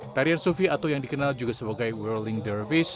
tarian sufi atau yang dikenal juga sebagai whirling dervish